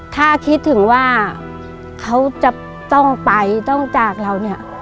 ถ้าคิดถึงว่าเขาจะต้องไปต้องจากเราเนี่ย